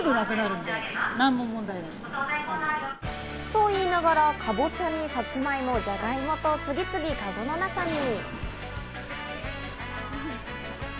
と言いながら、かぼちゃにサツマイモ、じゃがいもと次々、かごの中に。